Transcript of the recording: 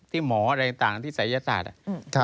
หมออะไรต่างที่ศัยศาสตร์